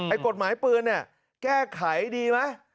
กฎหมายปืนเนี่ยแก้ไขดีไหม